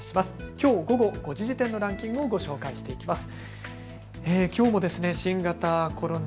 きょう午後５時時点のランキングをご紹介していきます。